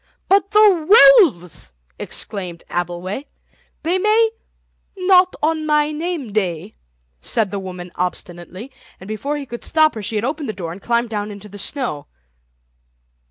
"But the wolves!" exclaimed Abbleway; "they may—" "Not on my name day," said the woman obstinately, and before he could stop her she had opened the door and climbed down into the snow.